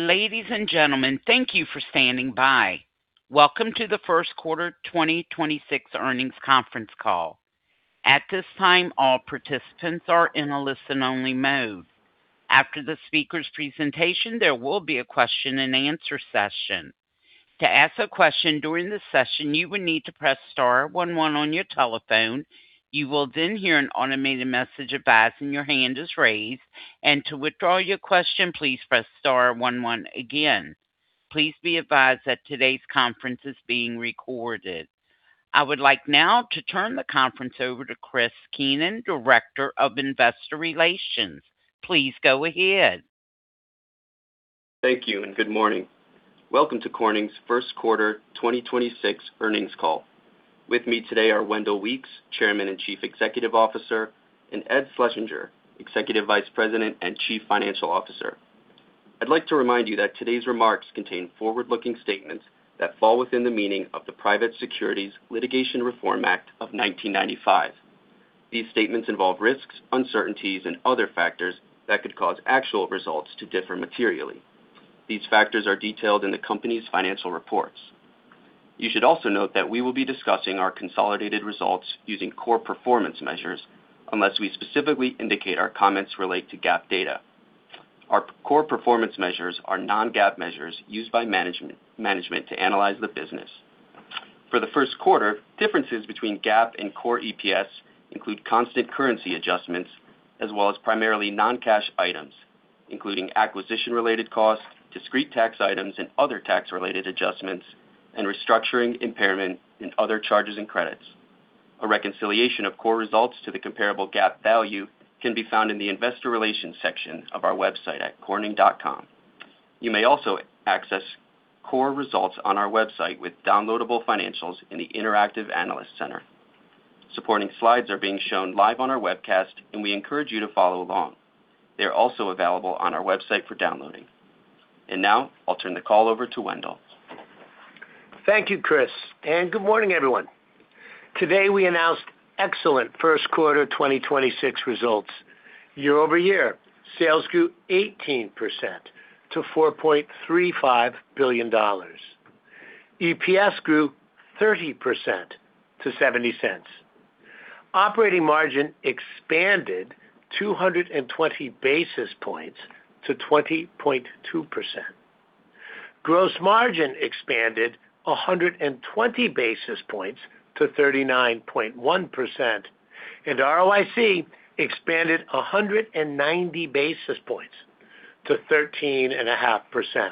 Ladies and gentlemen, thank you for standing by. Welcome to the first quarter 2026 earnings conference call. At this time, all participants are in a listen-only mode. After the speaker's presentation, there will be a question-and-answer session. To ask a question during the session, you will need to press star one one on your telephone. You will hear an automated message advising your hand is raised, and to withdraw your question, please press star one one again. Please be advised that today's conference is being recorded. I would like now to turn the conference over to Chris Keenan, Director of Investor Relations. Please go ahead. Thank you and good morning. Welcome to Corning's first quarter 2026 earnings call. With me today are Wendell Weeks, Chairman and Chief Executive Officer, and Ed Schlesinger, Executive Vice President and Chief Financial Officer. I'd like to remind you that today's remarks contain forward-looking statements that fall within the meaning of the Private Securities Litigation Reform Act of 1995. These statements involve risks, uncertainties, and other factors that could cause actual results to differ materially. These factors are detailed in the company's financial reports. You should also note that we will be discussing our consolidated results using core performance measures unless we specifically indicate our comments relate to GAAP data. Our core performance measures are non-GAAP measures used by management to analyze the business. For the first quarter, differences between GAAP and core EPS include constant currency adjustments as well as primarily non-cash items, including acquisition-related costs, discrete tax items and other tax-related adjustments, and restructuring impairment and other charges and credits. A reconciliation of core results to the comparable GAAP value can be found in the investor relations section of our website at corning.com. You may also access core results on our website with downloadable financials in the Interactive Analyst Center. Supporting slides are being shown live on our webcast, and we encourage you to follow along. They are also available on our website for downloading. Now I'll turn the call over to Wendell. Thank you, Chris. Good morning, everyone. Today, we announced excellent first-quarter 2026 results. Year-over-year, sales grew 18% to $4.35 billion. EPS grew 30% to $0.70. Operating margin expanded 220 basis points to 20.2%. Gross margin expanded 120 basis points to 39.1%. ROIC expanded 190 basis points to 13.5%.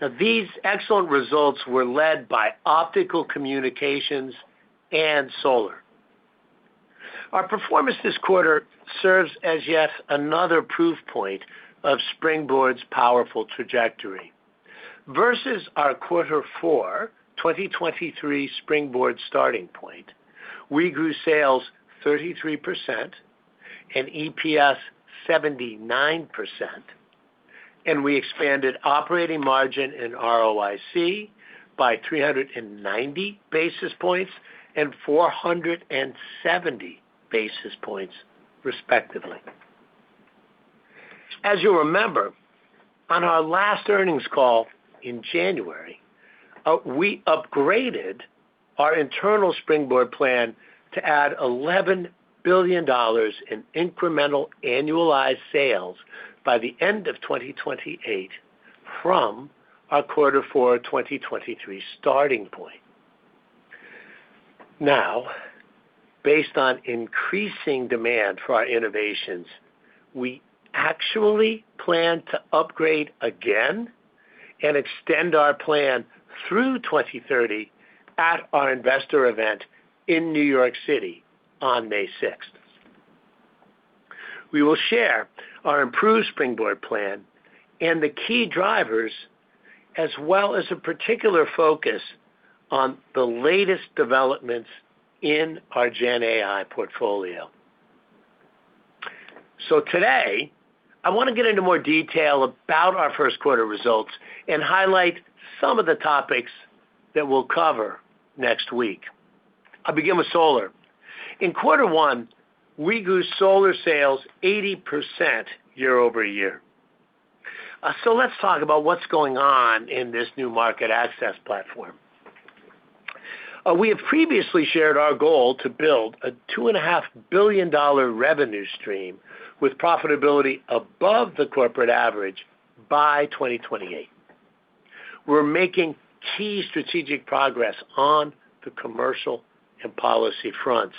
Now, these excellent results were led by Optical communications and Solar. Our performance this quarter serves as yet another proof point of Springboard's powerful trajectory. Versus our quarter four 2023 Springboard starting point, we grew sales 33% and EPS 79%, and we expanded operating margin and ROIC by 390 basis points and 470 basis points, respectively. As you remember, on our last earnings call in January, we upgraded our internal Springboard Plan to add $11 billion in incremental annualized sales by the end of 2028 from our Q4 2023 starting point. Now, based on increasing demand for our innovations, we actually plan to upgrade again and extend our plan through 2030 at our Investor Event in New York City on May 6. We will share our improved Springboard Plan and the key drivers, as well as a particular focus on the latest developments in our GenAI portfolio. Today, I wanna get into more detail about our first quarter results and highlight some of the topics that we'll cover next week. I'll begin with Solar. In Q1, we grew Solar sales 80% year-over-year. Let's talk about what's going on in this new market access platform. We have previously shared our goal to build a $2.5 billion revenue stream with profitability above the corporate average by 2028. We're making key strategic progress on the commercial and policy fronts.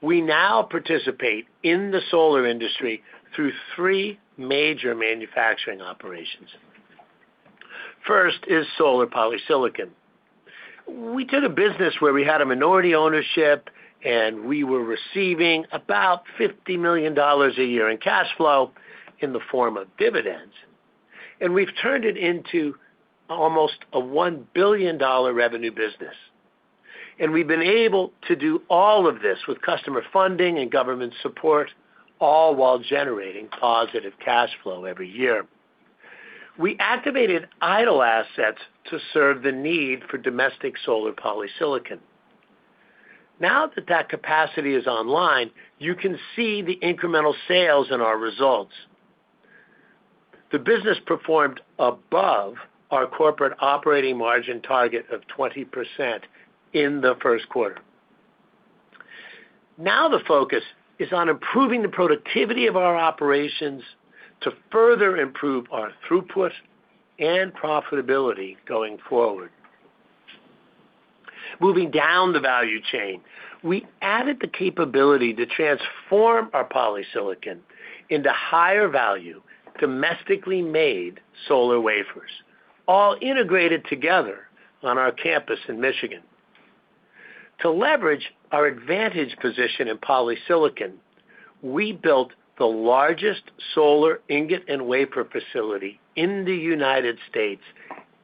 We now participate in the Solar industry through three major manufacturing operations. First is Solar polysilicon. We did a business where we had a minority ownership, and we were receiving about $50 million a year in cash flow in the form of dividends, and we've turned it into almost a $1 billion revenue business. We've been able to do all of this with customer funding and government support, all while generating positive cash flow every year. We activated idle assets to serve the need for domestic Solar polysilicon. Now that that capacity is online, you can see the incremental sales in our results. The business performed above our corporate operating margin target of 20% in the first quarter. Now the focus is on improving the productivity of our operations to further improve our throughput and profitability going forward. Moving down the value chain, we added the capability to transform our polysilicon into higher value, domestically solar wafers, all integrated together on our campus in Michigan. To leverage our advantage position in polysilicon, we built the largest Solar ingot and wafer facility in the U.S.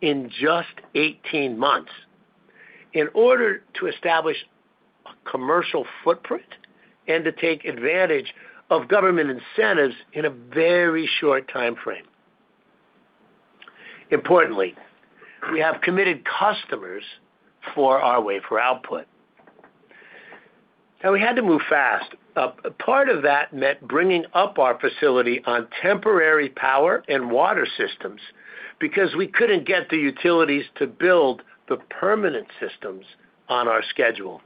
in just 18 months in order to establish a commercial footprint and to take advantage of government incentives in a very short time frame. Importantly, we have committed customers for our wafer output. Now we had to move fast. Part of that meant bringing up our facility on temporary power and water systems because we couldn't get the utilities to build the permanent systems on our schedule.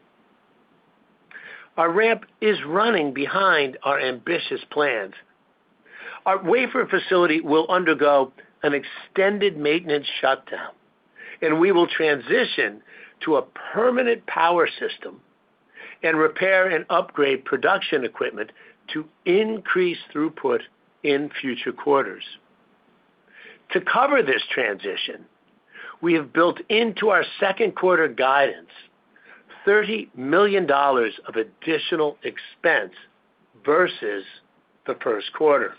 Our ramp is running behind our ambitious plans. Our wafer facility will undergo an extended maintenance shutdown, and we will transition to a permanent power system and repair and upgrade production equipment to increase throughput in future quarters. To cover this transition, we have built into our second quarter guidance $30 million of additional expense versus the first quarter.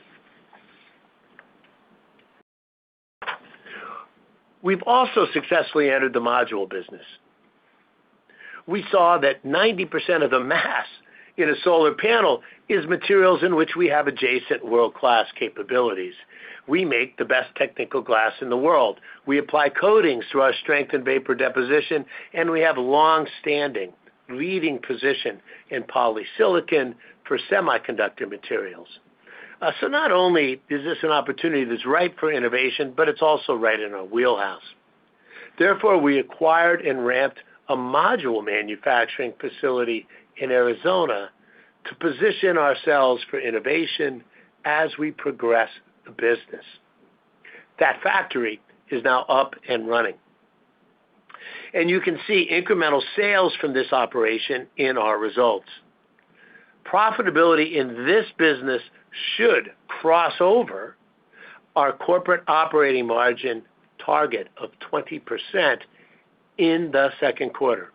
We've also successfully entered the module business. We saw that 90% of the mass in a solar panel is materials in which we have adjacent world-class capabilities. We make the best technical glass in the world. We apply coatings through our strength and vapor deposition, and we have longstanding leading position in polysilicon for semiconductor materials. Not only is this an opportunity that's ripe for innovation, but it's also right in our wheelhouse. Therefore, we acquired and ramped a module manufacturing facility in Arizona to position ourselves for innovation as we progress the business. That factory is now up and running, and you can see incremental sales from this operation in our results. Profitability in this business should cross over our corporate operating margin target of 20% in the second quarter.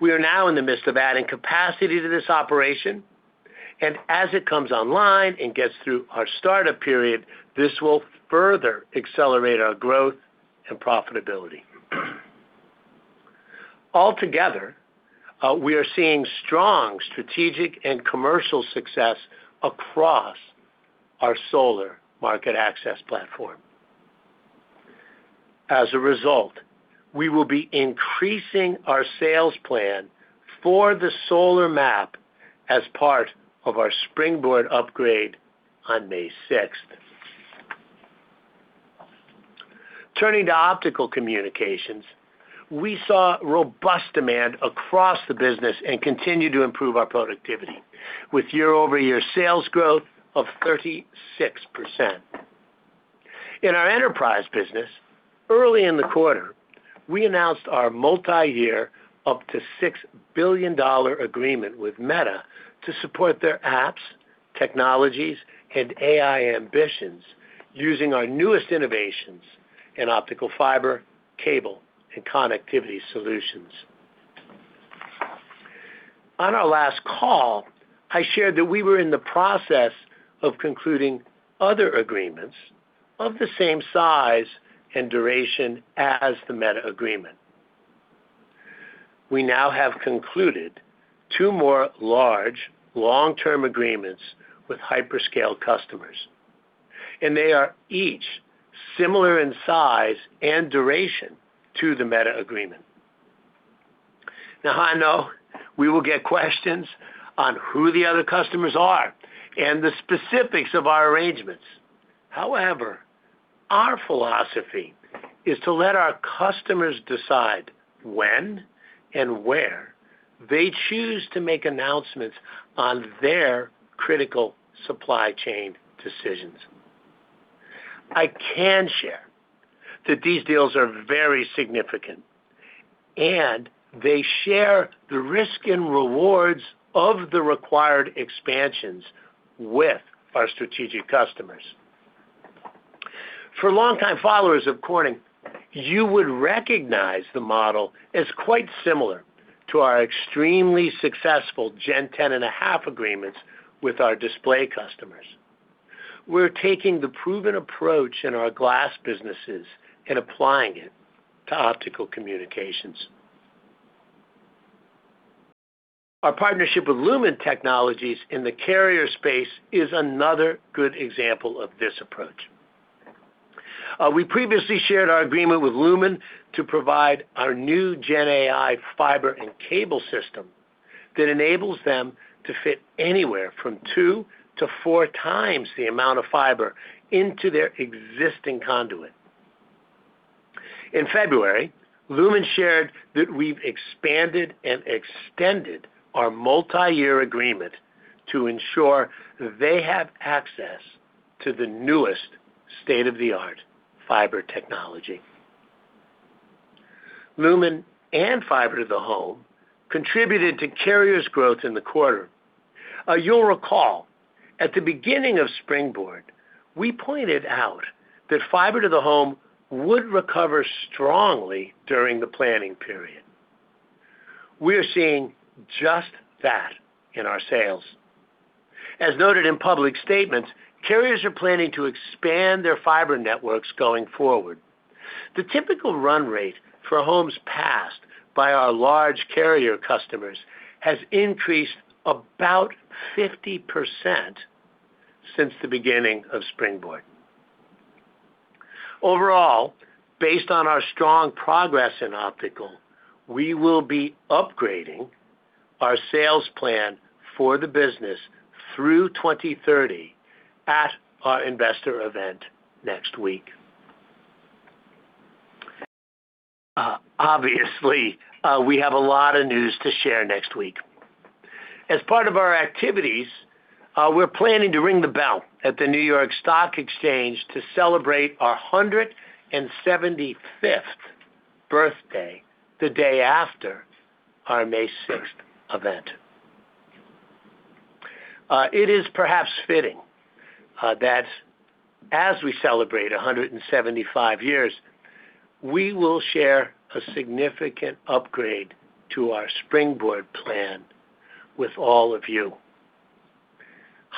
We are now in the midst of adding capacity to this operation, and as it comes online and gets through our startup period, this will further accelerate our growth and profitability. Altogether, we are seeing strong strategic and commercial success across our Solar market access platform. As a result, we will be increasing our sales plan for the Solar MAP as part of our Springboard upgrade on May 6. Turning to Optical communications, we saw robust demand across the business and continued to improve our productivity with year-over-year sales growth of 36%. In our enterprise business, early in the quarter, we announced our multi-year up to $6 billion agreement with Meta to support their apps, technologies, and AI ambitions using our newest innovations in Optical fiber, cable, and connectivity solutions. On our last call, I shared that we were in the process of concluding other agreements of the same size and duration as the Meta agreement. We now have concluded two more large, Long-Term Agreements with hyperscale customers. They are each similar in size and duration to the Meta agreement. I know we will get questions on who the other customers are and the specifics of our arrangements. However, our philosophy is to let our customers decide when and where they choose to make announcements on their critical supply chain decisions. I can share that these deals are very significant, and they share the risk and rewards of the required expansions with our strategic customers. For longtime followers of Corning, you would recognize the model as quite similar to our extremely successful Gen 10.5 agreements with our display customers. We're taking the proven approach in our glass businesses and applying it to Optical communications. our partnership with Lumen Technologies in the carrier space is another good example of this approach. We previously shared our agreement with Lumen to provide our new GenAI fiber and cable system that enables them to fit anywhere from two to four times the amount of fiber into their existing conduit. In February, Lumen shared that we've expanded and extended our multi-year agreement to ensure they have access to the newest state-of-the-art fiber technology. Lumen and fiber to the home contributed to carriers growth in the quarter. You'll recall, at the beginning of Springboard, we pointed out that fiber to the home would recover strongly during the planning period. We're seeing just that in our sales. As noted in public statements, carriers are planning to expand their fiber networks going forward. The typical run rate for homes passed by our large carrier customers has increased about 50% since the beginning of Springboard. Overall, based on our strong progress in Optical, we will be upgrading our sales plan for the business through 2030 at our Investor Event next week. Obviously, we have a lot of news to share next week. As part of our activities, we're planning to ring the bell at the New York Stock Exchange to celebrate our 175th birthday the day after our May 6 event. It is perhaps fitting that as we celebrate 175 years, we will share a significant upgrade to our Springboard Plan with all of you,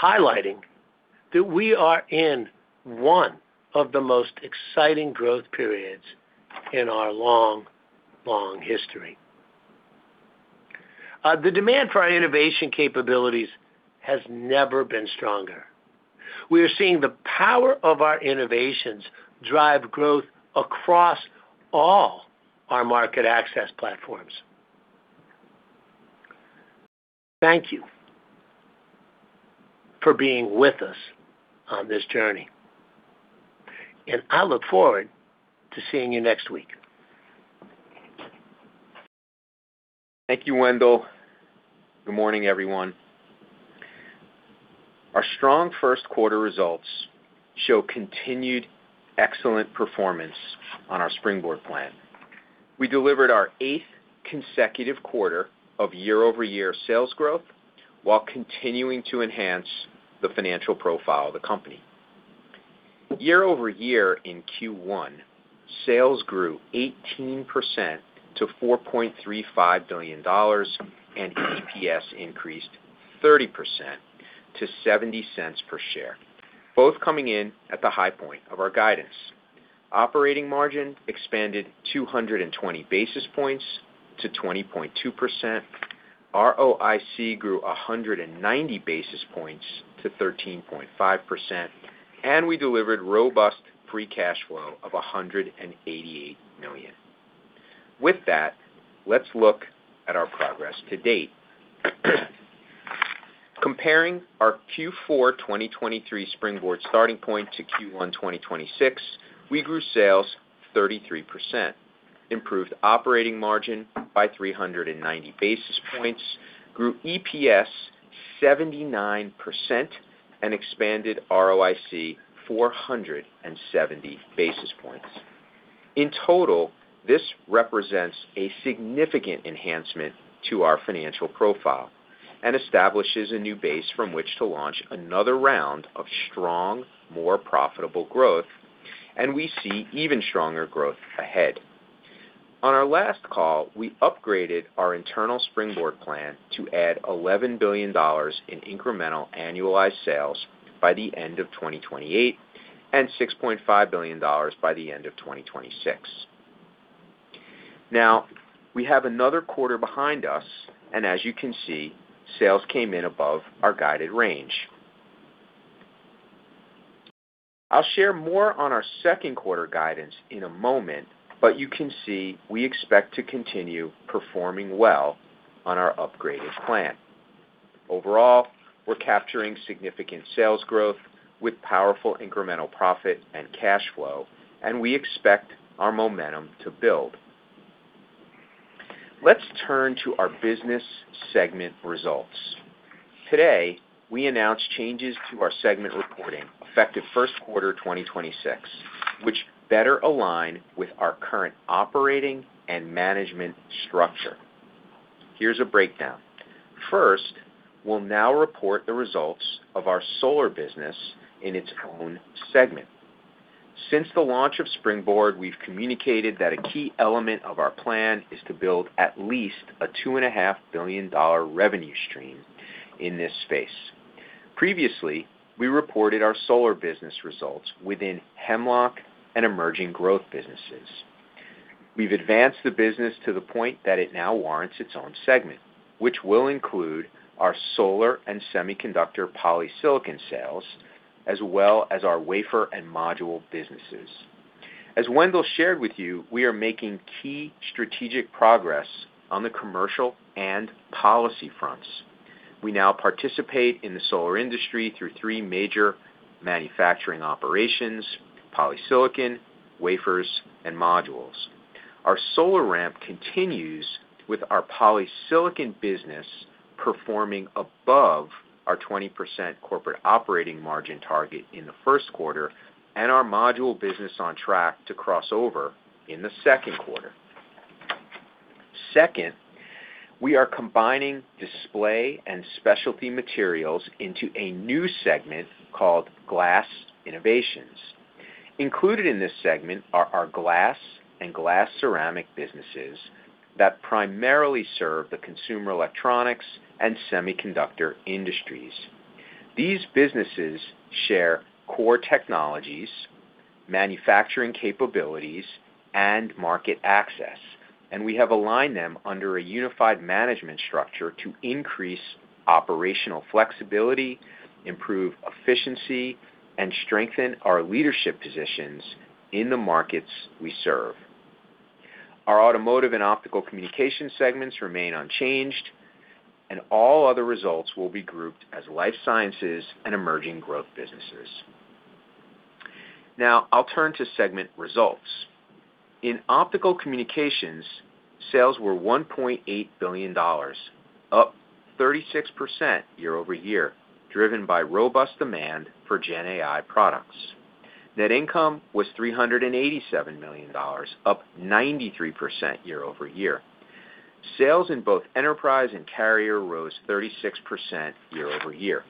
highlighting that we are in one of the most exciting growth periods in our long, long history. The demand for our innovation capabilities has never been stronger. We are seeing the power of our innovations drive growth across all our market access platforms. Thank you for being with us on this journey, and I look forward to seeing you next week. Thank you, Wendell. Good morning, everyone. Our strong first quarter results show continued excellent performance on our Springboard Plan. We delivered our eighth consecutive quarter of year-over-year sales growth while continuing to enhance the financial profile of the company. Year-over-year in Q1, sales grew 18% to $4.35 billion, and EPS increased 30% to $0.70 per share, both coming in at the high point of our guidance. Operating margin expanded 220 basis points to 20.2%. ROIC grew 190 basis points to 13.5%, and we delivered robust free cash flow of $188 million. With that, let's look at our progress to date. Comparing our Q4 2023 Springboard starting point to Q1 2026, we grew sales 33%, improved operating margin by 390 basis points, grew EPS 79%, and expanded ROIC 470 basis points. In total, this represents a significant enhancement to our financial profile and establishes a new base from which to launch another round of strong, more profitable growth. We see even stronger growth ahead. On our last call, we upgraded our internal Springboard Plan to add $11 billion in incremental annualized sales by the end of 2028 and $6.5 billion by the end of 2026. Now, we have another quarter behind us, and as you can see, sales came in above our guided range. I'll share more on our second quarter guidance in a moment, but you can see we expect to continue performing well on our upgraded plan. Overall, we're capturing significant sales growth with powerful incremental profit and cash flow, and we expect our momentum to build. Let's turn to our business segment results. Today, we announced changes to our segment reporting effective first quarter 2026, which better align with our current operating and management structure. Here's a breakdown. First, we'll now report the results of our Solar business in its own segment. Since the launch of Springboard, we've communicated that a key element of our plan is to build at least a $2.5 billion revenue stream in this space. Previously, we reported our Solar business results within Hemlock and Emerging Growth Businesses. We've advanced the business to the point that it now warrants its own segment, which will include our solar and semiconductor polysilicon sales, as well as our wafer and module businesses. As Wendell shared with you, we are making key strategic progress on the commercial and policy fronts. We now participate in the solar industry through three major manufacturing operations, polysilicon, wafers, and modules. Our solar ramp continues with our polysilicon business performing above our 20% corporate operating margin target in the first quarter and our module business on track to cross over in the second quarter. Second, we are combining display and specialty materials into a new segment called Glass Innovations. Included in this segment are our glass and glass ceramic businesses that primarily serve the consumer electronics and semiconductor industries. These businesses share core technologies, manufacturing capabilities, and market access, and we have aligned them under a unified management structure to increase operational flexibility, improve efficiency, and strengthen our leadership positions in the markets we serve. Our Automotive and Optical communications segments remain unchanged, and all other results will be grouped as Life Sciences and emerging growth businesses. Now I'll turn to segment results. In Optical communications, sales were $1.8 billion, up 36% year-over-year, driven by robust demand for GenAI products. Net income was $387 million, up 93% year-over-year. Sales in both enterprise and carrier rose 36% year-over-year.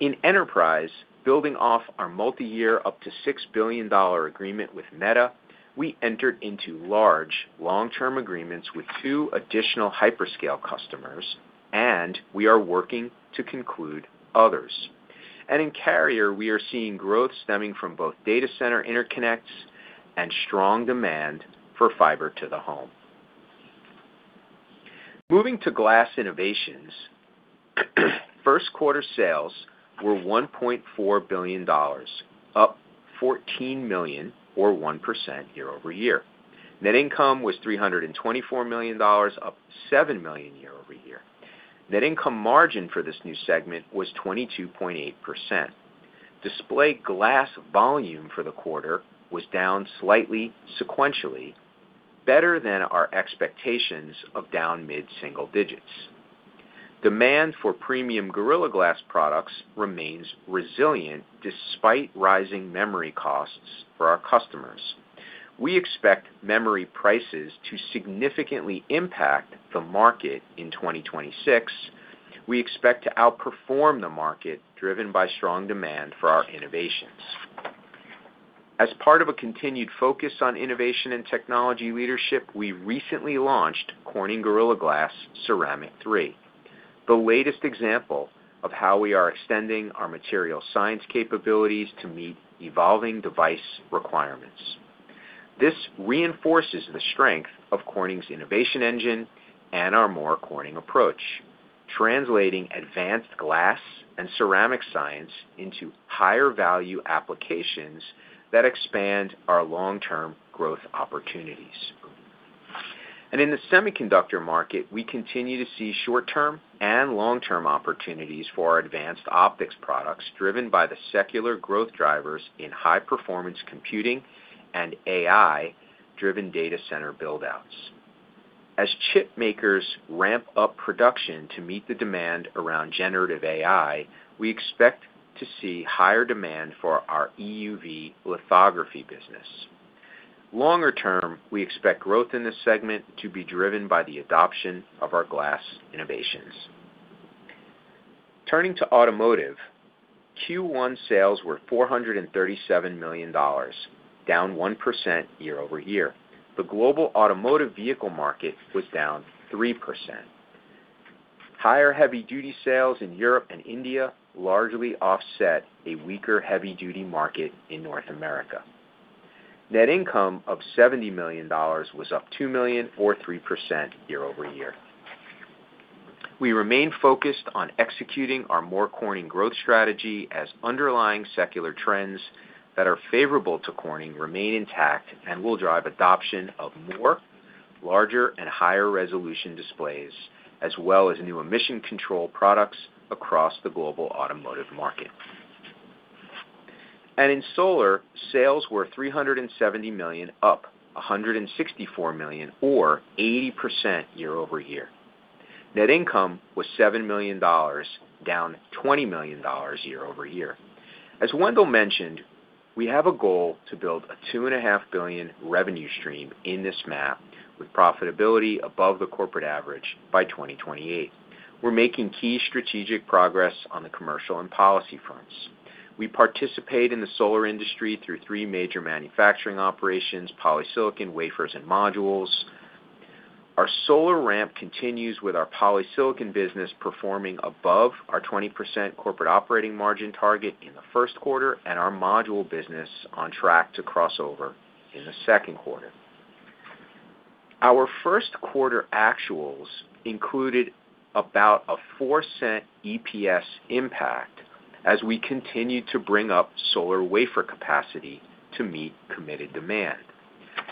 In enterprise, building off our multiyear up to $6 billion agreement with Meta, we entered into large Long-Term Agreements with two additional hyperscale customers, and we are working to conclude others. In carrier, we are seeing growth stemming from both data center interconnects and strong demand for fiber to the home. Moving to Glass Innovations, first quarter sales were $1.4 billion, up $14 million or 1% year-over-year. Net income was $324 million, up $7 million year-over-year. Net income margin for this new segment was 22.8%. Display glass volume for the quarter was down slightly sequentially, better than our expectations of down mid-single digits. Demand for premium Gorilla Glass products remains resilient despite rising memory costs for our customers. We expect memory prices to significantly impact the market in 2026. We expect to outperform the market, driven by strong demand for our innovations. As part of a continued focus on innovation and technology leadership, we recently launched Corning Gorilla Glass Ceramic 3, the latest example of how we are extending our material science capabilities to meet evolving device requirements. This reinforces the strength of Corning's innovation engine and our more Corning approach, translating advanced glass and ceramic science into higher value applications that expand our long-term growth opportunities. In the semiconductor market, we continue to see short-term and long-term opportunities for our advanced optics products, driven by the secular growth drivers in high-performance computing and AI-driven data center build-outs. As chip makers ramp up production to meet the demand around Generative AI, we expect to see higher demand for our EUV lithography business. Longer term, we expect growth in this segment to be driven by the adoption of our Glass Innovations. Turning to Automotive, Q1 sales were $437 million, down 1% year-over-year. The global automotive vehicle market was down 3%. Higher heavy-duty sales in Europe and India largely offset a weaker heavy-duty market in North America. Net income of $70 million was up $2 million or 3% year-over-year. We remain focused on executing our more Corning growth strategy as underlying secular trends that are favorable to Corning remain intact and will drive adoption of more larger and higher resolution displays, as well as new emission control products across the global automotive market. In Solar, sales were $370 million, up $164 million or 80% year-over-year. Net income was $7 million, down $20 million year-over-year. As Wendell mentioned, we have a goal to build a $2.5 billion revenue stream in this MAP with profitability above the corporate average by 2028. We're making key strategic progress on the commercial and policy fronts. We participate in the solar industry through three major manufacturing operations, polysilicon, wafers, and modules. Our solar ramp continues with our polysilicon business performing above our 20% corporate operating margin target in the first quarter and our module business on track to cross over in the second quarter. Our first quarter actuals included about a $0.04 EPS impact as we continued to bring solar wafer capacity to meet committed demand.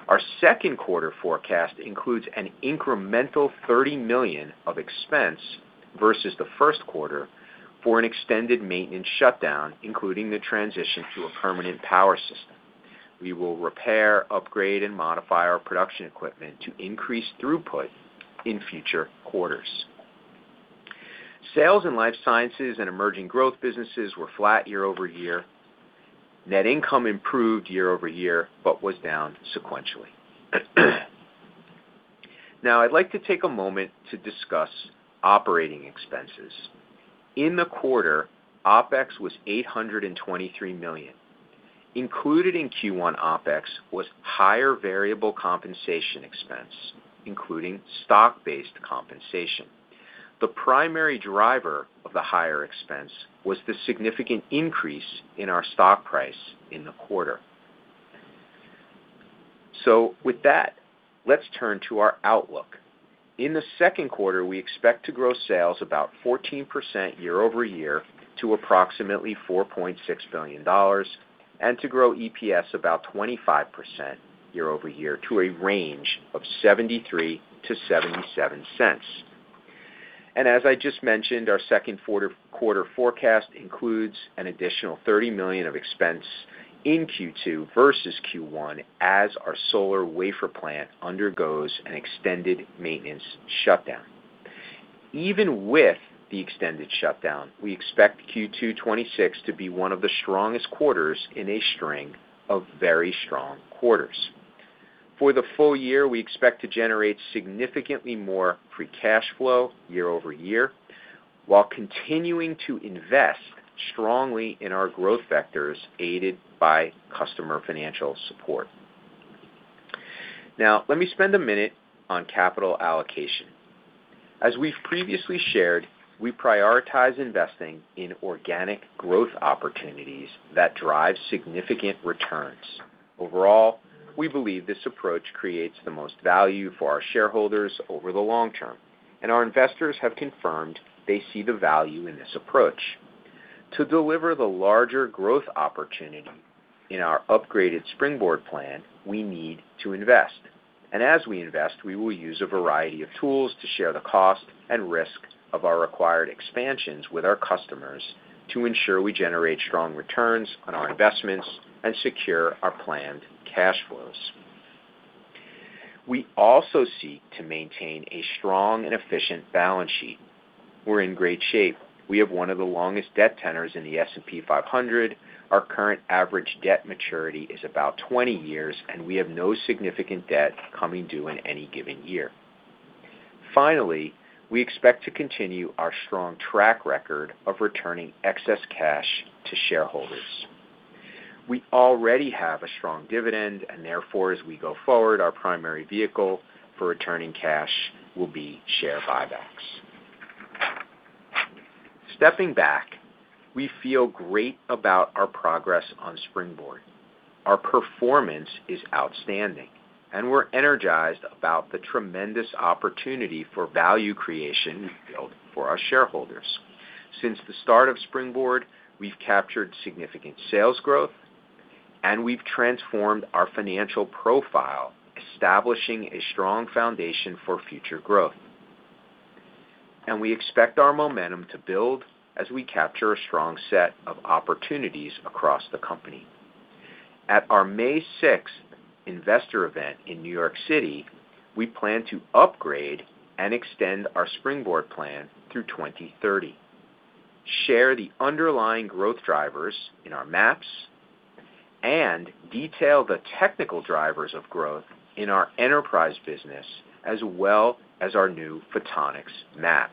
Our second quarter forecast includes an incremental $30 million of expense versus the first quarter for an extended maintenance shutdown, including the transition to a permanent power system. We will repair, upgrade, and modify our production equipment to increase throughput in future quarters. Sales in Life Sciences and Emerging Growth Businesses were flat year-over-year. Net income improved year-over-year, but was down sequentially. I'd like to take a moment to discuss operating expenses. In the quarter, OpEx was $823 million. Included in Q1 OpEx was higher variable compensation expense, including stock-based compensation. The primary driver of the higher expense was the significant increase in our stock price in the quarter. With that, let's turn to our outlook. In the second quarter, we expect to grow sales about 14% year-over-year to approximately $4.6 billion, and to grow EPS about 25% year-over-year to a range of $0.73-$0.77. As I just mentioned, our second quarter forecast includes an additional $30 million of expense in Q2 versus Q1 as solar wafer plant undergoes an extended maintenance shutdown. Even with the extended shutdown, we expect Q2 2026 to be one of the strongest quarters in a string of very strong quarters. For the full year, we expect to generate significantly more free cash flow year-over-year, while continuing to invest strongly in our growth vectors aided by customer financial support. Let me spend a minute on capital allocation. As we've previously shared, we prioritize investing in organic growth opportunities that drive significant returns. Overall, we believe this approach creates the most value for our Shareholders over the long term, and our investors have confirmed they see the value in this approach. To deliver the larger growth opportunity in our upgraded Springboard Plan, we need to invest. As we invest, we will use a variety of tools to share the cost and risk of our required expansions with our customers to ensure we generate strong returns on our investments and secure our planned cash flows. We also seek to maintain a strong and efficient balance sheet. We're in great shape. We have one of the longest debt tenors in the S&P 500. Our current average debt maturity is about 20 years, and we have no significant debt coming due in any given year. Finally, we expect to continue our strong track record of returning excess cash to Shareholders. We already have a strong dividend. Therefore, as we go forward, our primary vehicle for returning cash will be share buybacks. Stepping back, we feel great about our progress on Springboard. Our performance is outstanding, and we're energized about the tremendous opportunity for value creation we've built for our Shareholders. Since the start of Springboard, we've captured significant sales growth, and we've transformed our financial profile, establishing a strong foundation for future growth. We expect our momentum to build as we capture a strong set of opportunities across the company. At our May 6 Investor Event in New York City, we plan to upgrade and extend our Springboard Plan through 2030, share the underlying growth drivers in our MAPs, and detail the technical drivers of growth in our enterprise business as well as our new Photonics MAP.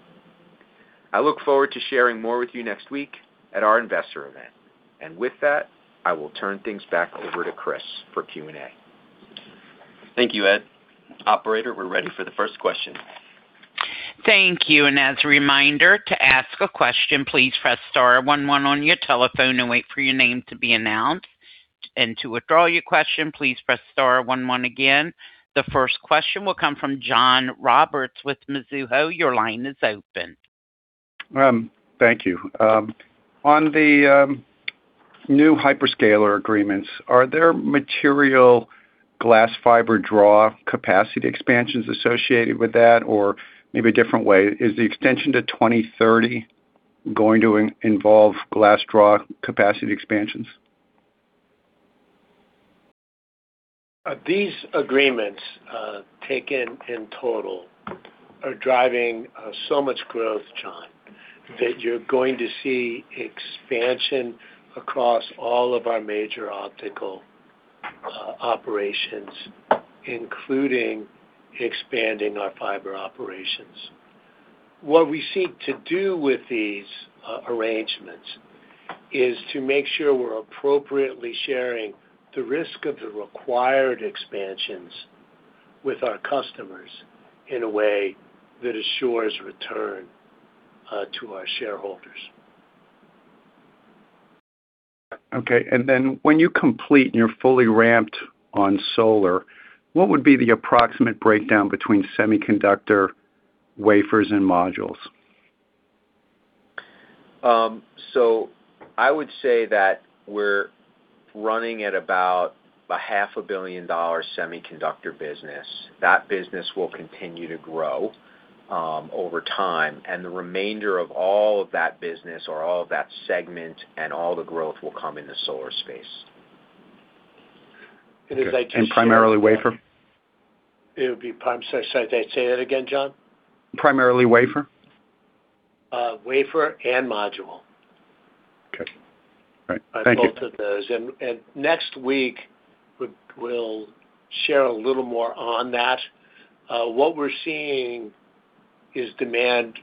I look forward to sharing more with you next week at our Investor Event. With that, I will turn things back over to Chris for Q&A. Thank you, Ed. Operator, we're ready for the first question. Thank you. As a reminder, to ask a question, please press star one one on your telephone and wait for your name to be announced. To withdraw your question, please press star one one again. The first question will come from John Roberts with Mizuho. Your line is open. Thank you. On the new hyperscaler agreements, are there material glass fiber draw capacity expansions associated with that? Maybe a different way, is the extension to 2030 going to involve glass draw capacity expansions? These agreements, taken in total are driving so much growth, John, that you're going to see expansion across all of our major Optical operations, including expanding our fiber operations. What we seek to do with these arrangements is to make sure we're appropriately sharing the risk of the required expansions with our customers in a way that assures return to our Shareholders. Okay. Then when you complete and you're fully ramped on solar, what would be the approximate breakdown between semiconductor wafers and modules? I would say that we're running at about a half a billion dollar semiconductor business. That business will continue to grow over time, and the remainder of all of that business or all of that segment and all the growth will come in the Solar space. As I just said. Primarily wafer? It would be say it again, John. Primarily wafer. Wafer and module. Okay. All right. Thank you. Both of those. Next week, we'll share a little more on that. What we're seeing is demand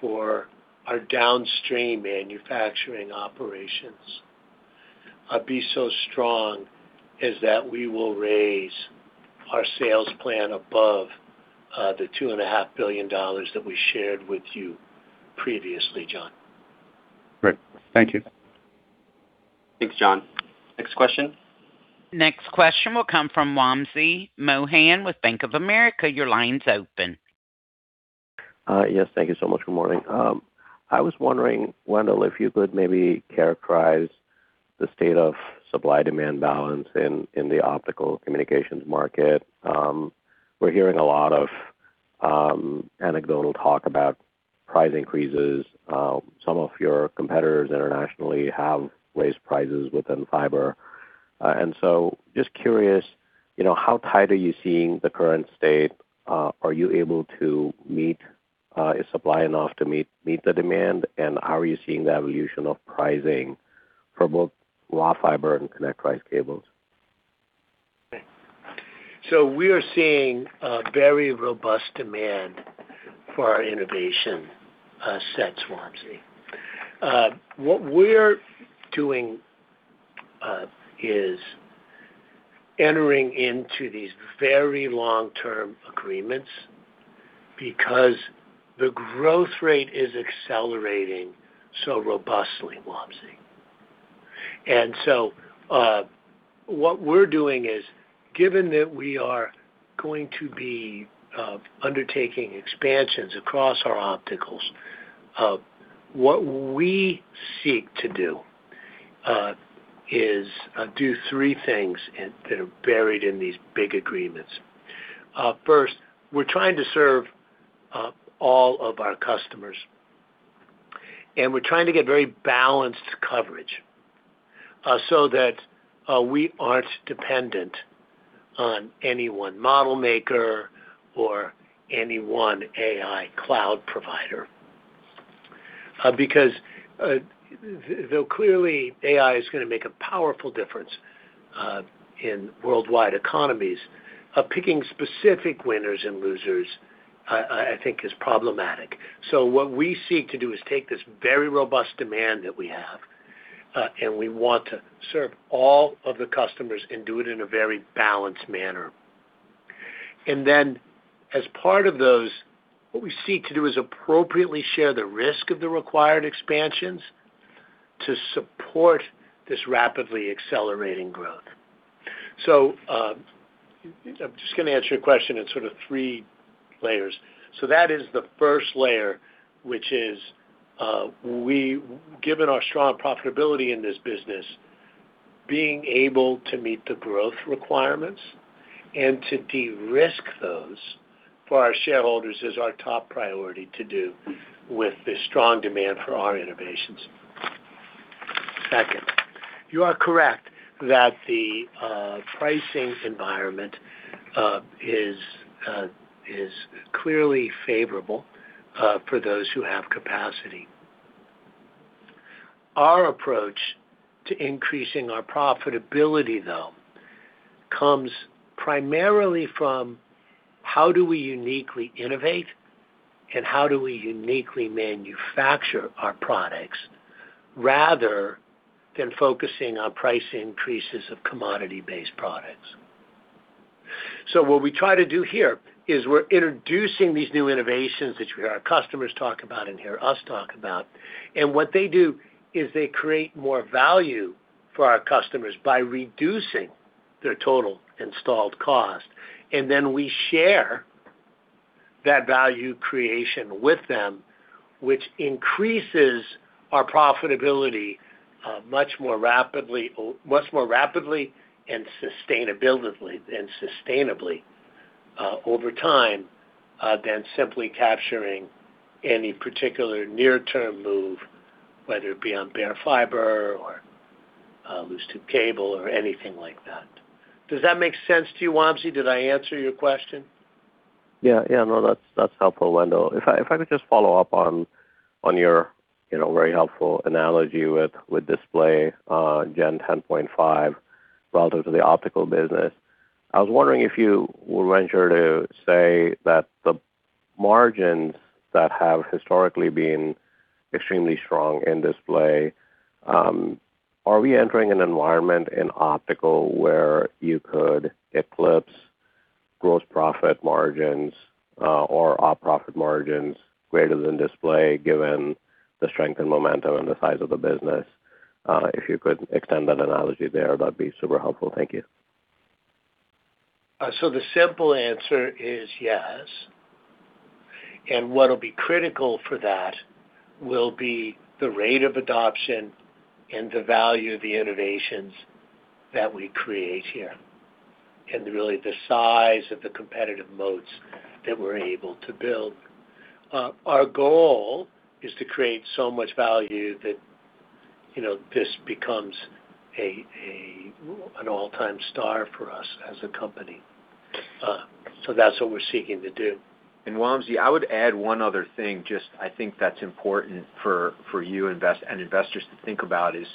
for our downstream manufacturing operations be so strong is that we will raise our sales plan above the $2.5 billion that we shared with you previously, John. Great. Thank you. Thanks, John. Next question. Next question will come from Wamsi Mohan with Bank of America. Your line's open. Yes. Thank you so much. Good morning. I was wondering, Wendell, if you could maybe characterize the state of supply-demand balance in the Optical communications market. We're hearing a lot of anecdotal talk about price increases. Some of your competitors internationally have raised prices within fiber. Just curious, you know, how tight are you seeing the current state? Is supply enough to meet the demand? How are you seeing the evolution of pricing for both raw fiber and connect price cables? We are seeing a very robust demand for our innovation sets, Wamsi. What we're doing is entering into these very Long-Term Agreements because the growth rate is accelerating so robustly, Wamsi. What we're doing is, given that we are going to be undertaking expansions across our Opticals, what we seek to do is do three things and that are buried in these big agreements. First, we're trying to serve all of our customers, and we're trying to get very balanced coverage so that we aren't dependent on any one model maker or any one AI cloud provider. Because, though clearly AI is gonna make a powerful difference in worldwide economies, picking specific winners and losers, I think is problematic. What we seek to do is take this very robust demand that we have, and we want to serve all of the customers and do it in a very balanced manner. As part of those, what we seek to do is appropriately share the risk of the required expansions to support this rapidly accelerating growth. I'm just gonna answer your question in sort of three layers. That is the first layer, which is, given our strong profitability in this business, being able to meet the growth requirements and to de-risk those for our Shareholders is our top priority to do with the strong demand for our innovations. You are correct that the pricing environment is clearly favorable for those who have capacity. Our approach to increasing our profitability, though, comes primarily from how do we uniquely innovate and how do we uniquely manufacture our products rather than focusing on price increases of commodity-based products. What we try to do here is we're introducing these new innovations which our customers talk about and hear us talk about, and what they do is they create more value for our customers by reducing their total installed cost. We share that value creation with them, which increases our profitability, much more rapidly or much more rapidly and sustainably over time, than simply capturing any particular near-term move, whether it be on bare fiber or loose tube cable or anything like that. Does that make sense to you, Wamsi? Did I answer your question? That's helpful, Wendell. If I could just follow up on your, you know, very helpful analogy with display, Gen 10.5 relative to the Optical business. I was wondering if you would venture to say that the margins that have historically been extremely strong in display, are we entering an environment in Optical where you could eclipse gross profit margins or Op profit margins greater than display given the strength and momentum and the size of the business? If you could extend that analogy there, that'd be super helpful. Thank you. The simple answer is yes. What'll be critical for that will be the rate of adoption and the value of the innovations that we create here, and really the size of the competitive moats that we're able to build. Our goal is to create so much value that, you know, this becomes an all-time star for us as a company. That's what we're seeking to do. Wamsi, I would add one other thing, just I think that's important for you and investors to think about is,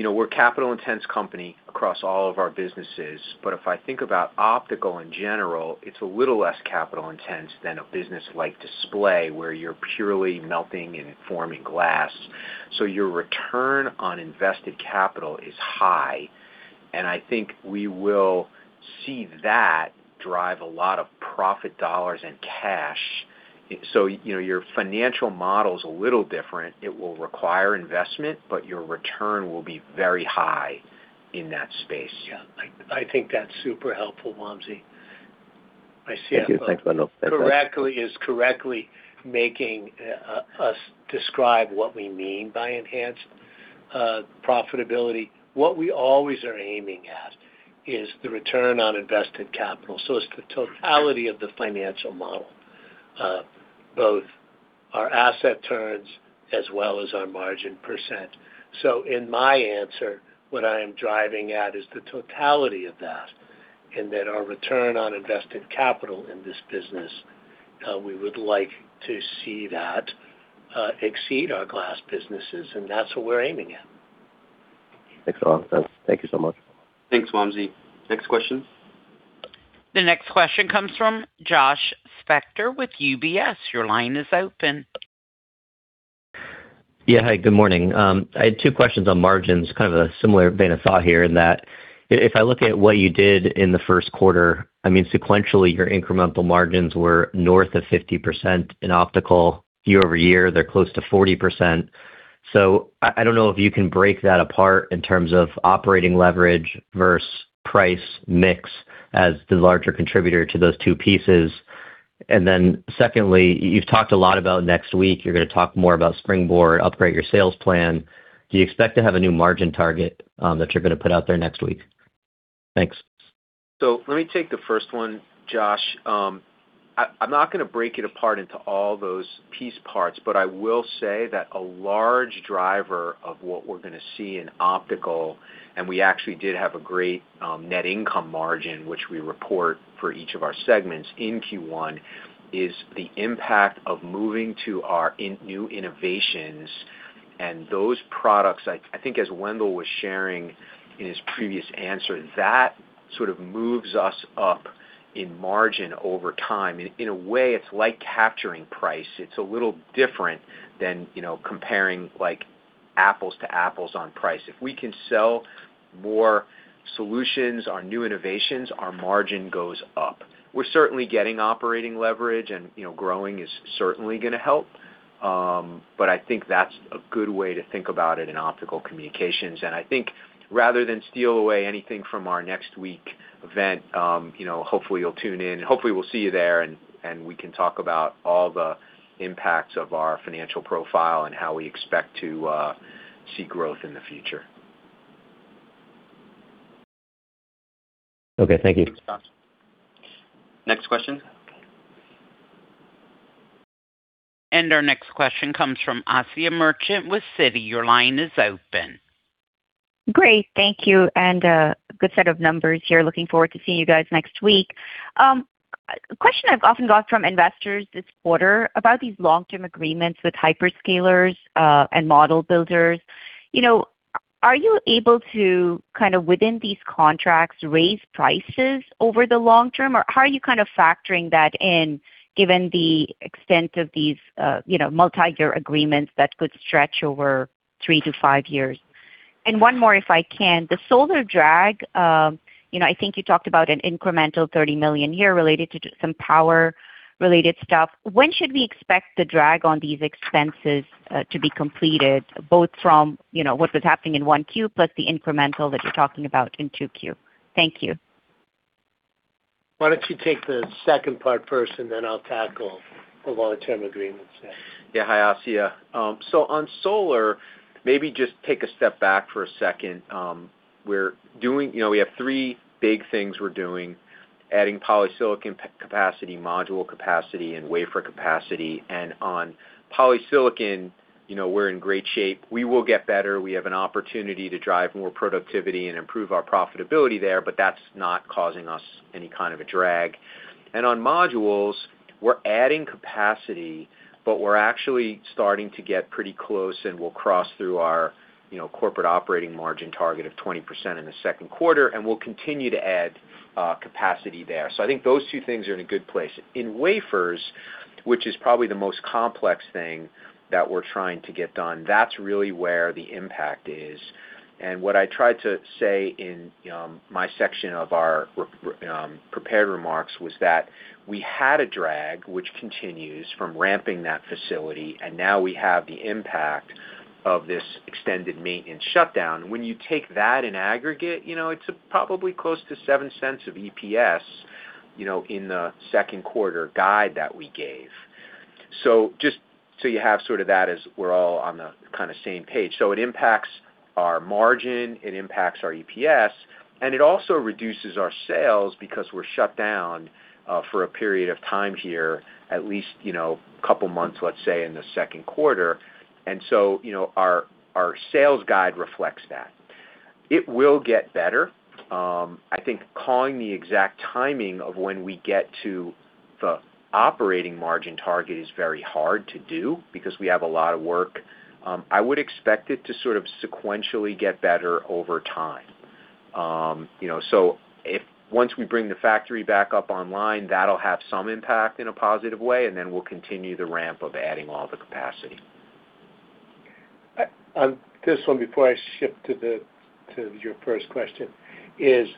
you know, we're a capital-intense company across all of our businesses. If I think about Optical in general, it's a little less capital intense than a business like display, where you're purely melting and forming glass. Your return on invested capital is high, and I think we will see that drive a lot of profit dollars and cash. You know, your financial model is a little different. It will require investment, but your return will be very high in that space. Yeah. I think that's super helpful, Wamsi. I see it. Thank you. Thanks, Wendell. Correctly making us describe what we mean by enhanced profitability. What we always are aiming at is the return on invested capital. It's the totality of the financial model, both our asset turns as well as our margin percent. In my answer, what I am driving at is the totality of that, and that our return on invested capital in this business, we would like to see that exceed our glass businesses, and that's what we're aiming at. Thanks a lot. Thank you so much. Thanks, Wamsi. Next question. The next question comes from Josh Spector with UBS. Your line is open. Yeah. Hi, good morning. I had two questions on margins, kind of a similar vein of thought here in that if I look at what you did in the first quarter, I mean, sequentially, your incremental margins were north of 50% in Optical. Year-over-year, they're close to 40%. I don't know if you can break that apart in terms of operating leverage versus price mix as the larger contributor to those two pieces. Secondly, you've talked a lot about next week, you're gonna talk more about Springboard, upgrade your sales plan. Do you expect to have a new margin target that you're gonna put out there next week? Thanks. Let me take the first one, Josh. I'm not going to break it apart into all those piece parts, but I will say that a large driver of what we're going to see in Optical, and we actually did have a great net income margin, which we report for each of our segments in Q1, is the impact of moving to our new innovations and those products. I think as Wendell was sharing in his previous answer, that sort of moves us up in margin over time. In a way, it's like capturing price. It's a little different than, you know, comparing like apples to apples on price. If we can sell more solutions, our new innovations, our margin goes up. We're certainly getting operating leverage and, you know, growing is certainly going to help. I think that's a good way to think about it in Optical communications. I think rather than steal away anything from our next week event, you know, hopefully you'll tune in. Hopefully, we'll see you there, and we can talk about all the impacts of our financial profile and how we expect to see growth in the future. Okay. Thank you. Thanks, Josh. Next question. Our next question comes from Asiya Merchant with Citi. Your line is open. Great. Thank you. Good set of numbers here. Looking forward to seeing you guys next week. A question I've often got from investors this quarter about these Long-Term Agreements with hyperscalers and model builders. Are you able to kind of within these contracts, raise prices over the long term? How are you kind of factoring that in given the extent of these multi-year agreements that could stretch over three to five years? One more, if I can. The Solar drag, I think you talked about an incremental $30 million a year related to some power-related stuff. When should we expect the drag on these expenses to be completed, both from what was happening in 1Q, plus the incremental that you're talking about in 2Q? Thank you. Why don't you take the second part first, and then I'll tackle the Long-Term Agreements then. Yeah. Hi, Asiya. On Solar, maybe just take a step back for a second. We're doing, you know, we have three big things we're doing: adding polysilicon capacity, module capacity, and wafer capacity. On polysilicon, you know, we're in great shape. We will get better. We have an opportunity to drive more productivity and improve our profitability there, but that's not causing us any kind of a drag. On modules, we're adding capacity, but we're actually starting to get pretty close, and we'll cross through our, you know, corporate operating margin target of 20% in the second quarter, and we'll continue to add capacity there. I think those two things are in a good place. In wafers, which is probably the most complex thing that we're trying to get done, that's really where the impact is. What I tried to say in my section of our prepared remarks was that we had a drag, which continues from ramping that facility, and now we have the impact of this extended maintenance shutdown. When you take that in aggregate, you know, it's probably close to $0.07 of EPS, you know, in the second quarter guide that we gave. Just so you have sort of that as we're all on the kind of same page. It impacts our margin, it impacts our EPS, and it also reduces our sales because we're shut down for a period of time here, at least, you know, a couple of months, let's say, in the second quarter. You know, our sales guide reflects that. It will get better. I think calling the exact timing of when we get to the operating margin target is very hard to do because we have a lot of work. I would expect it to sort of sequentially get better over time. you know, once we bring the factory back up online, that'll have some impact in a positive way, and then we'll continue the ramp of adding all the capacity. This one before I shift to your first question, is,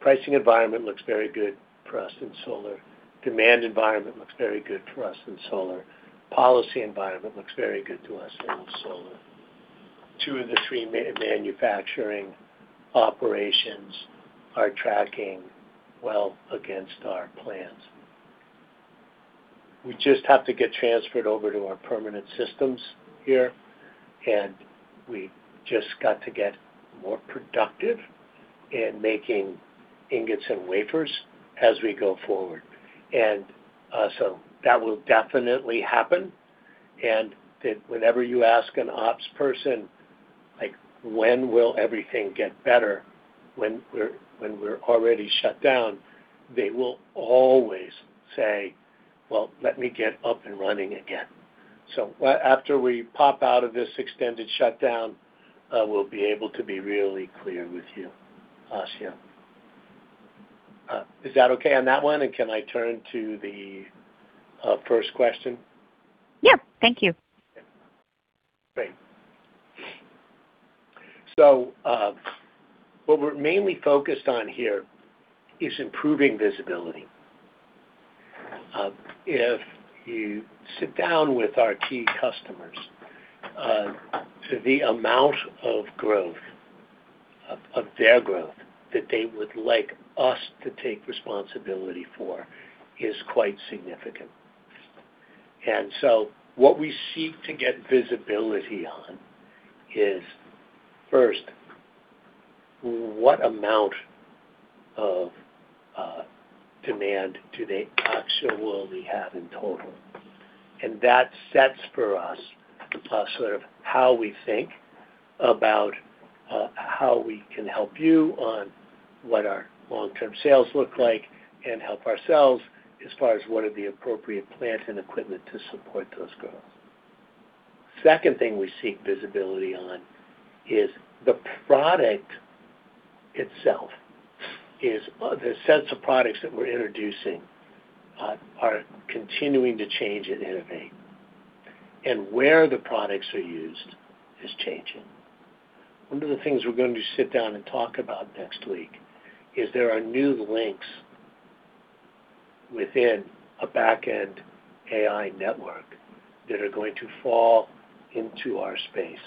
pricing environment looks very good for us in Solar. Demand environment looks very good for us in Solar. Policy environment looks very good to us in Solar. Two of the three manufacturing operations are tracking well against our plans. We just have to get transferred over to our permanent systems here, and we just got to get more productive in making ingots and wafers as we go forward. That will definitely happen. Whenever you ask an Ops person, like, when will everything get better when we're already shut down, they will always say, "Well, let me get up and running again." After we pop out of this extended shutdown, we'll be able to be really clear with you, Asiya. Is that okay on that one? Can I turn to the first question? Yeah. Thank you. Great. What we're mainly focused on here is improving visibility. If you sit down with our key customers, the amount of growth, of their growth that they would like us to take responsibility for is quite significant. What we seek to get visibility on is, first, what amount of demand do they actually will we have in total? That sets for us the sort of how we think about how we can help you on what our long-term sales look like and help ourselves as far as what are the appropriate plant and equipment to support those goals. Second thing we seek visibility on is the product itself, is the sets of products that we're introducing are continuing to change and innovate, and where the products are used is changing. One of the things we're going to sit down and talk about next week is there are new links within a back-end AI network that are going to fall into our space.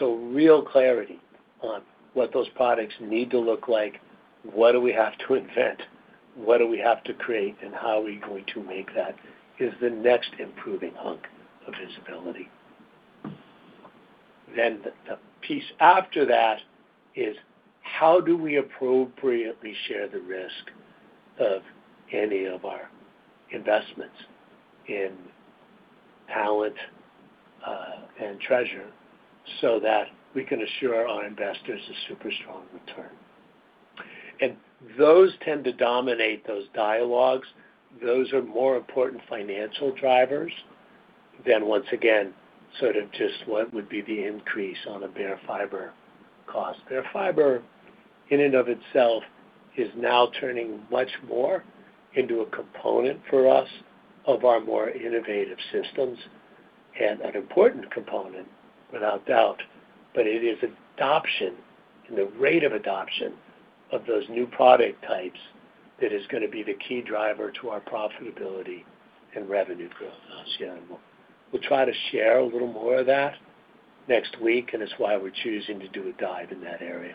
Real clarity on what those products need to look like, what do we have to invent, what do we have to create, and how are we going to make that is the next improving hunk of visibility. The piece after that is how do we appropriately share the risk of any of our investments in talent and treasure so that we can assure our investors a super strong return. Those tend to dominate those dialogues. Those are more important financial drivers than once again, sort of just what would be the increase on a bare fiber cost. Bare fiber in and of itself is now turning much more into a component for us of our more innovative systems, and an important component without doubt. It is adoption and the rate of adoption of those new product types that is gonna be the key driver to our profitability and revenue growth, Asiya, we'll try to share a little more of that next week. It's why we're choosing to do a dive in that area.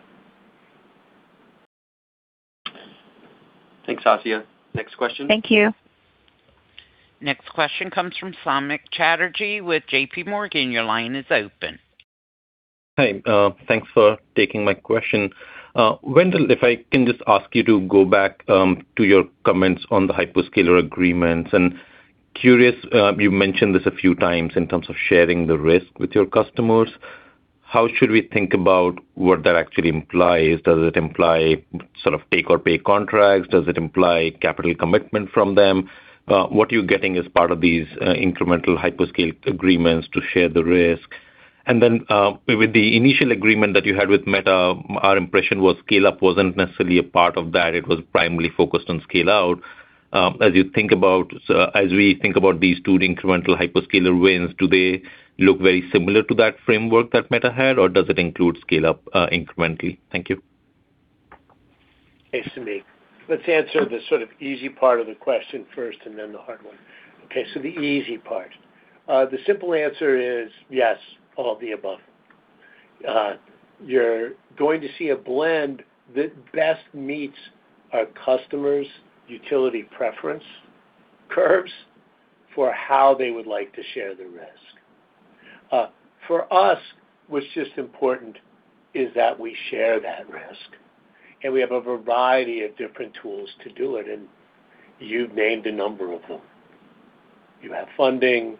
Thanks, Asiya. Next question. Thank you. Next question comes from Samik Chatterjee with JPMorgan. Your line is open. Hey, thanks for taking my question. Wendell, if I can just ask you to go back to your comments on the hyperscaler agreements. Curious, you mentioned this a few times in terms of sharing the risk with your customers. How should we think about what that actually implies? Does it imply sort of take or pay contracts? Does it imply capital commitment from them? What are you getting as part of these incremental hyperscale agreements to share the risk? With the initial agreement that you had with Meta, our impression was scale-up wasn't necessarily a part of that. It was primarily focused on scale-out. As we think about these two incremental hyperscaler wins, do they look very similar to that framework that Meta had, or does it include scale-up incrementally? Thank you. Thanks, Samik. Let's answer the sort of easy part of the question first and then the hard one. The easy part. The simple answer is yes, all the above. You're going to see a blend that best meets our customer's utility preference curves for how they would like to share the risk. For us, what's just important is that we share that risk, and we have a variety of different tools to do it, and you've named a number of them. You have funding,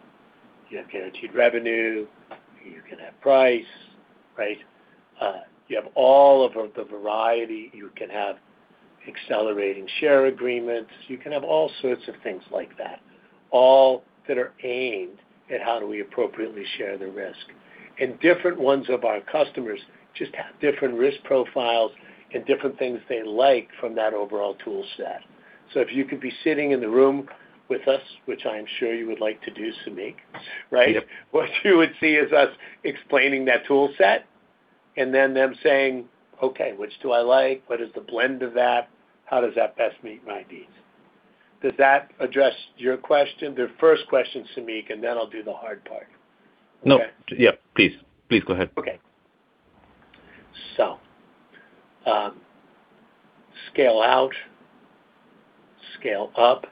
you have guaranteed revenue, you can have price, right? You have all of the variety. You can have accelerating share agreements. You can have all sorts of things like that, all that are aimed at how do we appropriately share the risk. Different ones of our customers just have different risk profiles and different things they like from that overall tool set. If you could be sitting in the room with us, which I am sure you would like to do, Samik, right? Yep. What you would see is us explaining that tool set and then them saying, "Okay, which do I like? What is the blend of that? How does that best meet my needs?" Does that address your question, the first question, Samik, and then I'll do the hard part. Okay. No. Yeah, please. Please go ahead. Scale out, scale up,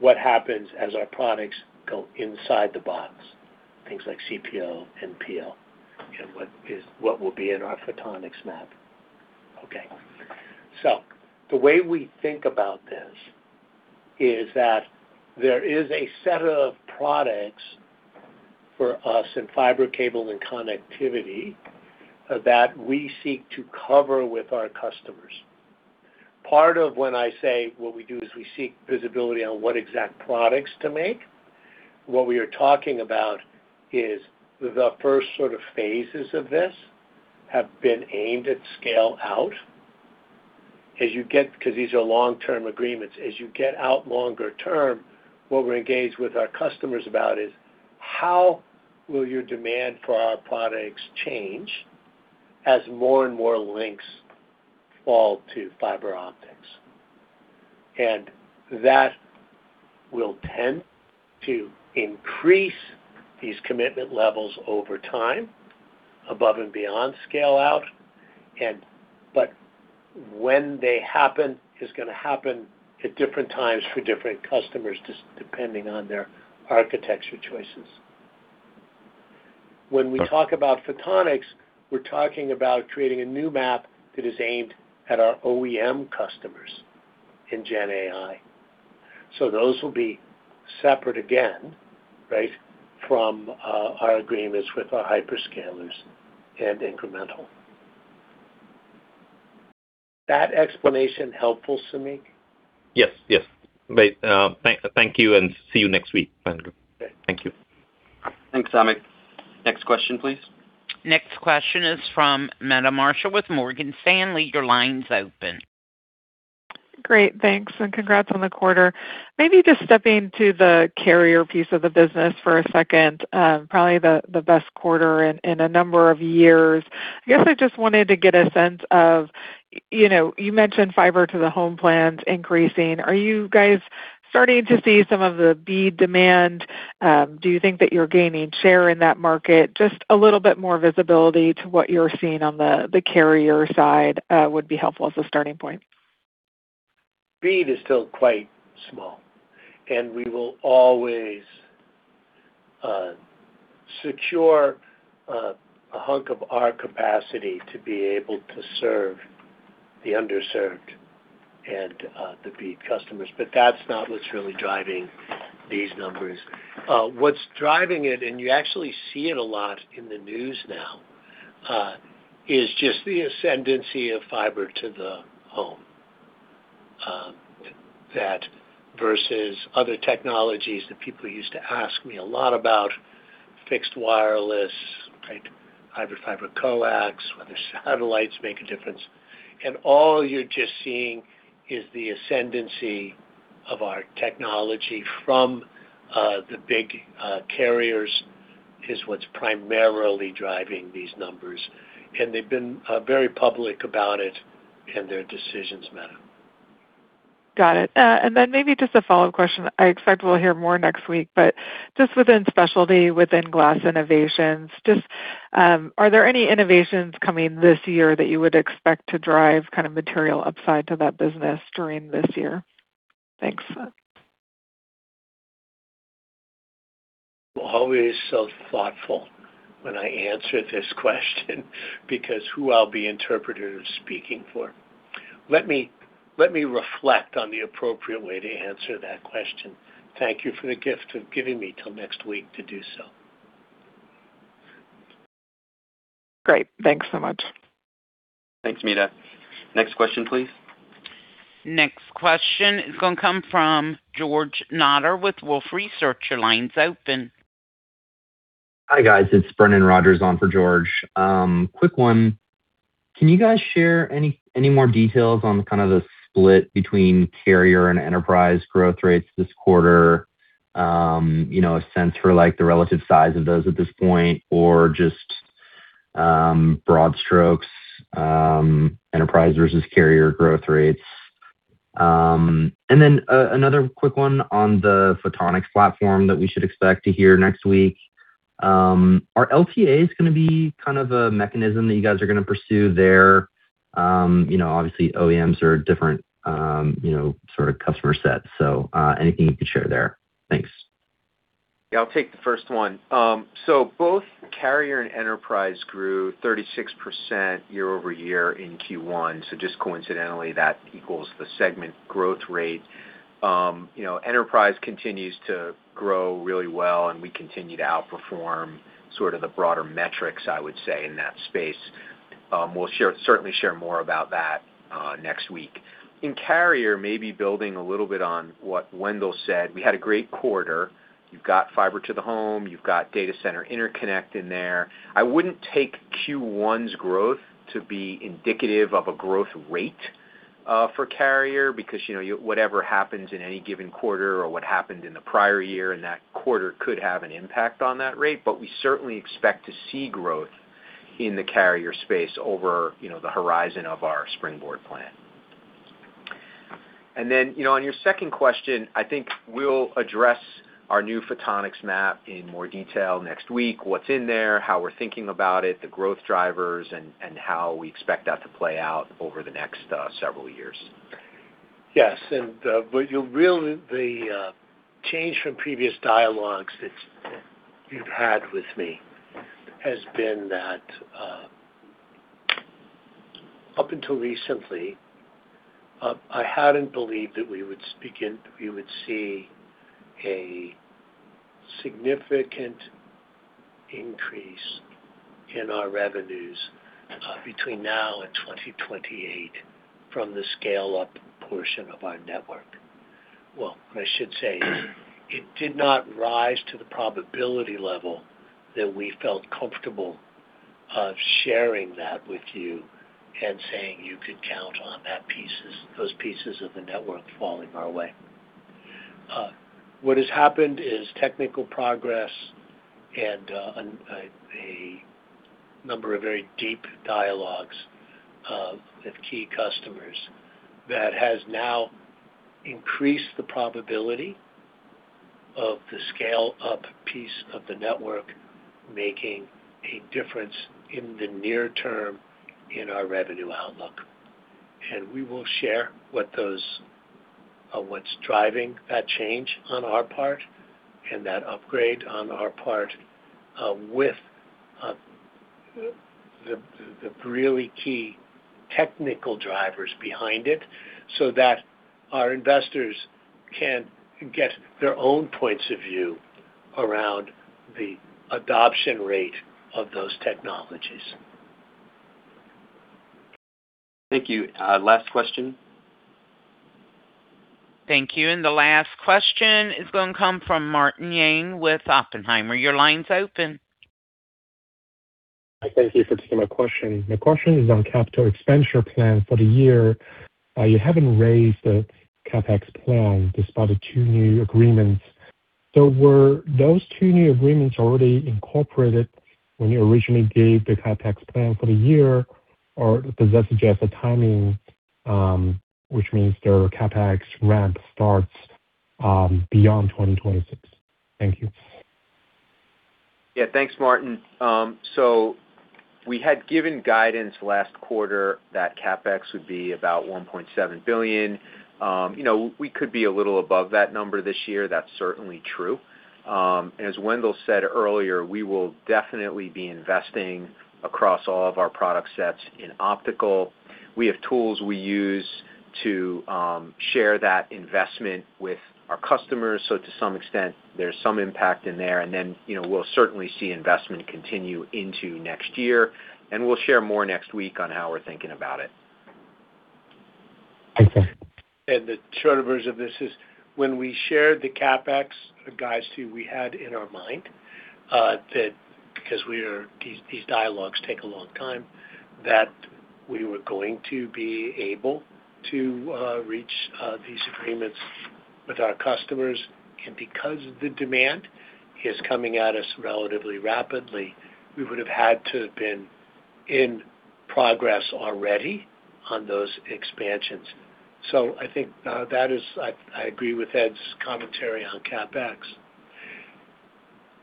what happens as our products go inside the box, things like CPO, NPO, what will be in our Photonics MAP. The way we think about this is that there is a set of products for us in fiber cable and connectivity that we seek to cover with our customers. Part of when I say what we do is we seek visibility on what exact products to make, what we are talking about is the first sort of phases of this have been aimed at scale out. Because these are Long-Term Agreements, as you get out longer term, what we're engaged with our customers about is how will your demand for our products change as more and more links fall to fiber optics? That will tend to increase these commitment levels over time, above and beyond scale out. But when they happen is gonna happen at different times for different customers, just depending on their architecture choices. When we talk about Photonics, we're talking about creating a new MAP that is aimed at our OEM customers in GenAI. Those will be separate again, right, from our agreements with our hyperscalers and incremental. That explanation helpful, Samik? Yes. Yes. Wendell thank you, and see you next week. Okay. Thank you. Thanks, Samik. Next question, please. Next question is from Meta Marshall with Morgan Stanley. Your line's open. Great. Thanks, congrats on the quarter. Maybe just stepping to the carrier piece of the business for a second. Probably the best quarter in a number of years. I guess I just wanted to get a sense of, you know, you mentioned fiber to the home plans increasing. Are you guys starting to see some of the BEAD demand? Do you think that you're gaining share in that market? Just a little bit more visibility to what you're seeing on the carrier side would be helpful as a starting point. BEAD is still quite small. We will always secure a hunk of our capacity to be able to serve the underserved and the BEAD customers. That's not what's really driving these numbers. What's driving it, you actually see it a lot in the news now, is just the ascendancy of fiber to the home, that versus other technologies that people used to ask me a lot about, fixed wireless, right? Hybrid fiber coax, whether satellites make a difference. All you're just seeing is the ascendancy of our technology from the big carriers is what's primarily driving these numbers. They've been very public about it and their decisions, Meta Marshall. Got it. Maybe just a follow-up question. I expect we'll hear more next week, but just within specialty, within Glass Innovations, are there any innovations coming this year that you would expect to drive kind of material upside to that business during this year? Thanks. Always so thoughtful when I answer this question because who I'll be interpreted as speaking for. Let me reflect on the appropriate way to answer that question. Thank you for the gift of giving me till next week to do so. Great. Thanks so much. Thanks, Meta. Next question, please. Next question is gonna come from George Notter with Wolfe Research. Your line's open. Hi, guys. It's Brenden Rogers on for George Notter. Quick one. Can you guys share any more details on kind of the split between carrier and enterprise growth rates this quarter? You know, a sense for like the relative size of those at this point or just broad strokes, enterprise versus carrier growth rates. Then another quick one on the Photonics platform that we should expect to hear next week. Are LTAs going to be kind of a mechanism that you guys are going to pursue there? You know, obviously OEMs are different, you know, sort of customer set, so anything you could share there. Thanks. Yeah, I'll take the first one. Both carrier and enterprise grew 36% year-over-year in Q1. Just coincidentally, that equals the segment growth rate. You know, enterprise continues to grow really well, and we continue to outperform sort of the broader metrics I would say in that space. We'll certainly share more about that next week. In carrier, maybe building a little bit on what Wendell said, we had a great quarter. You've got fiber to the home. You've got data center interconnect in there. I wouldn't take Q1's growth to be indicative of a growth rate for carrier because, you know, whatever happens in any given quarter or what happened in the prior year in that quarter could have an impact on that rate. We certainly expect to see growth in the carrier space over, you know, the horizon of our Springboard Plan. On your second question, I think we'll address our new Photonics MAP in more detail next week, what's in there, how we're thinking about it, the growth drivers and how we expect that to play out over the next several years. Yes. The change from previous dialogues that you've had with me has been that, up until recently, I hadn't believed that we would see a significant increase in our revenues between now and 2028 from the scale-up portion of our network. Well, I should say it did not rise to the probability level that we felt comfortable sharing that with you and saying you could count on those pieces of the network falling our way. What has happened is technical progress and a number of very deep dialogues with key customers that has now increased the probability of the scale-up piece of the network making a difference in the near term in our revenue outlook. We will share what's driving that change on our part and that upgrade on our part with the really key technical drivers behind it, so that our investors can get their own points of view around the adoption rate of those technologies. Thank you. Last question. Thank you. The last question is going to come from Martin Yang with Oppenheimer. Your line's open. Thank you for taking my question. My question is on capital expenditure plan for the year. You haven't raised the CapEx plan despite the two new agreements. Were those two new agreements already incorporated when you originally gave the CapEx plan for the year, or does that suggest a timing which means their CapEx ramp starts beyond 2026? Thank you. Thanks, Martin. We had given guidance last quarter that CapEx would be about $1.7 billion. You know, we could be a little above that number this year. That's certainly true. As Wendell said earlier, we will definitely be investing across all of our product sets in Optical. We have tools we use to share that investment with our customers. To some extent, there's some impact in there. You know, we'll certainly see investment continue into next year, and we'll share more next week on how we're thinking about it. Thank you. The shorter version of this is when we shared the CapEx guidance too, we had in our mind that because these dialogues take a long time, that we were going to be able to reach these agreements with our customers. Because the demand is coming at us relatively rapidly, we would have had to have been in progress already on those expansions. I think I agree with Ed's commentary on CapEx.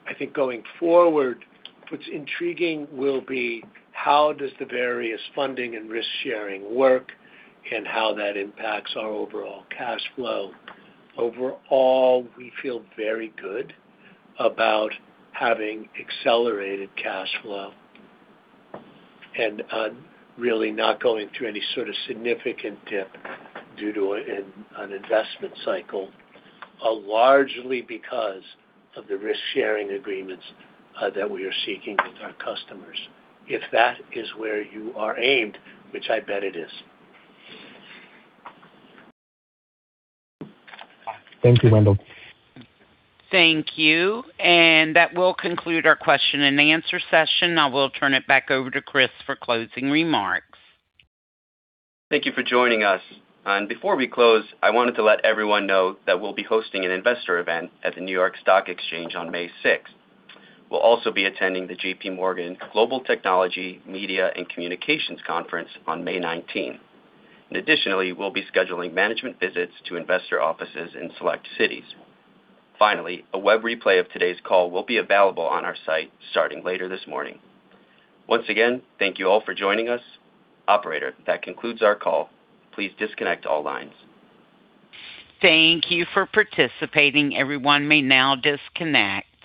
I think going forward, what's intriguing will be how does the various funding and risk-sharing work and how that impacts our overall cash flow. Overall, we feel very good about having accelerated cash flow and on really not going through any sort of significant dip due to an investment cycle, largely because of the risk-sharing agreements that we are seeking with our customers, if that is where you are aimed, which I bet it is. Thank you, Wendell. Thank you. That will conclude our question and answer session. I will turn it back over to Chris for closing remarks. Thank you for joining us. Before we close, I wanted to let everyone know that we'll be hosting an Investor Event at the New York Stock Exchange on May 6th. We'll also be attending the JPMorgan Global Technology, Media and Communications Conference on May 19. Additionally, we'll be scheduling management visits to investor offices in select cities. Finally, a web replay of today's call will be available on our site starting later this morning. Once again, thank you all for joining us. Operator, that concludes our call. Please disconnect all lines. Thank you for participating. Everyone may now disconnect.